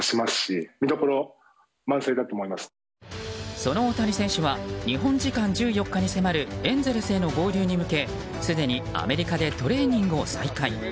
その大谷選手は日本時間１４日に迫るエンゼルスへの合流に向けすでにアメリカでトレーニングを再開。